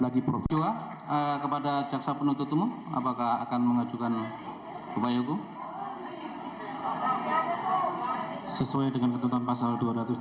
sesuai dengan tuntutan pasal dua ratus tiga puluh tiga